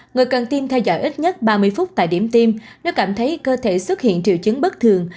người cần tiêm theo dõi ít nhất ba mươi phút tại điểm tiêm nếu cảm thấy cơ thể xuất hiện triệu chứng bất thường